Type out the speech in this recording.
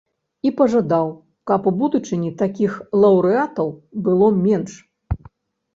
І пажадаў, каб у будучыні такіх лаўрэатаў было менш.